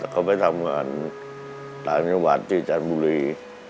เขาไปทำงานตามนิวัตรที่จันทร์บุรี